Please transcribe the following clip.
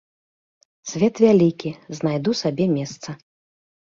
Свет вялікі, знайду сабе месца.